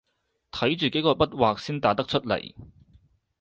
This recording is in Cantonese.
睇住幾個筆劃先打得出來